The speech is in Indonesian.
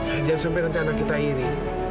jangan sampai nanti anak kita ini